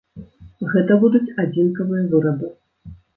Гэта будуць адзінкавыя вырабы.